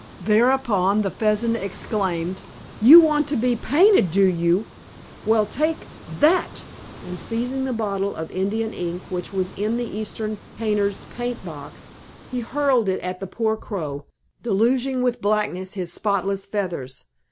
Thereupon the Pheasant exclaimed, "You want to be painted, do you? Well, take that!" and, seizing the bottle of India ink which was in the Eastern artist's paint box, he hurled it at the poor Crow, deluging with blackness his spotless feathers.